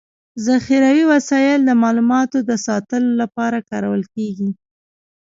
ذخيروي وسایل د معلوماتو د ساتلو لپاره کارول کيږي.